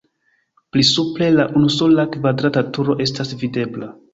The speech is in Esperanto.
Pli supre la unusola kvadrata turo estas videbla.